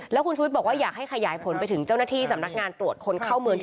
แล้วคุณชุวิตบอกว่าอยากให้ขยายผลไปถึงเจ้าหน้าที่สำนักงานตรวจคนเข้าเมือง